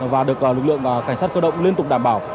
và được lực lượng cảnh sát cơ động liên tục đảm bảo